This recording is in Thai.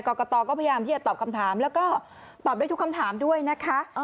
กรกตก็พยายามที่จะตอบคำถามแล้วก็ตอบได้ทุกคำถามด้วยนะคะ